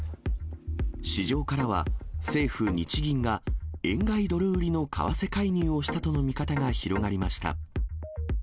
市場からは政府・日銀が、円買いドル売りの為替介入をしたとの見方が広がりました。